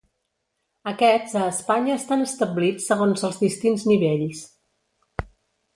Aquests a Espanya estan establits segons els distints nivells.